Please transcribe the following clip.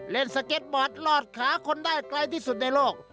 สเก็ตบอร์ดรอดขาคนได้ไกลที่สุดในโลก